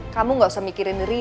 kamu gak usah mikirin diri